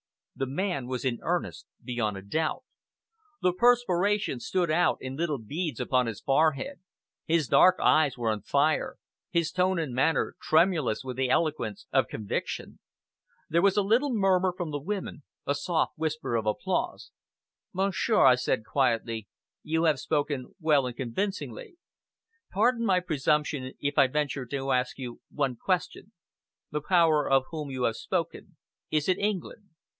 The man was in earnest beyond a doubt. The perspiration stood out in little beads upon his forehead, his dark eyes were on fire, his tone and manner tremulous with the eloquence of conviction. There was a little murmur from the women a soft whisper of applause. "Monsieur," I said quietly, "you have spoken well and convincingly. Pardon my presumption, if I venture to ask you one question. The Power of whom you have spoken is it England?"